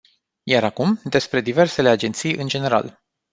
Iar acum, despre diversele agenții în general.